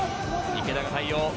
池田が対応。